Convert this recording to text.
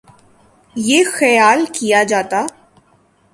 یہ خیال کیا جاتا